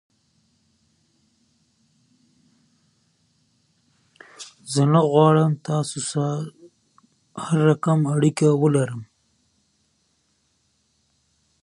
بې هدفه کار ستړیا زیاتوي.